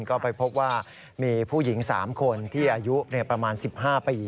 ก็ไปพบว่ามีผู้หญิง๓คนที่อายุประมาณ๑๕ปี